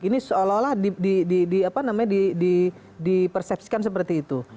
ini seolah olah di persepsikan seperti itu